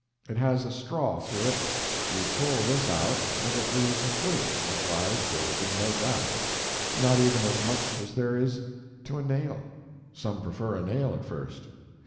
It has a straw through it; you pull this out, and it leaves a flue, otherwise there would be no draught, not even as much as there is to a nail. Some prefer a nail at first.